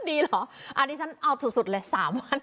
ดีเหรออันนี้ฉันเอาสุดเลย๓วัน